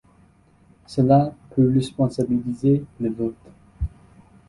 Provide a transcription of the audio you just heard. Cela peut responsabiliser le vote.